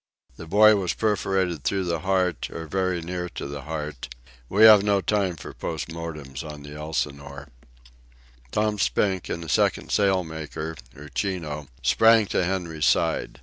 The boy was perforated through the heart or very near to the heart—we have no time for post mortems on the Elsinore. Tom Spink and the second sail maker, Uchino, sprang to Henry's side.